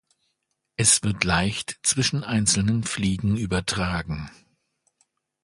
Es wird leicht zwischen einzelnen Fliegen übertragen.